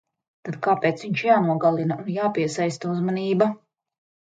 Tad kāpēc viņš jānogalina un japiesaista uzmanība?